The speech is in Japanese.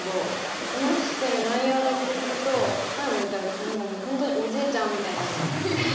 話してる内容だけ聞くと前も言ったんですけど何かもう本当におじいちゃんみたいで。